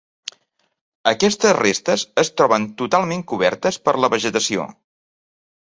Aquestes restes es troben totalment cobertes per la vegetació.